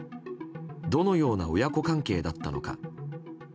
どのような親子関係だったのか。